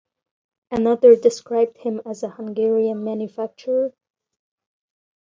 Another described him as a "Hungarian manufacturer".